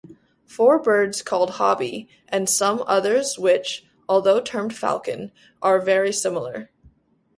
Four birds called "hobby", and some others which, although termed "falcon", are very similar.